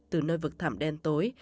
từ nơi vực thảm đen tối